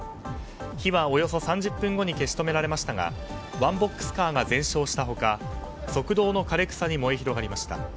火はおよそ３０分後に消し止められましたがワンボックスカーが全焼した他側道の枯れ草に燃え広がりました。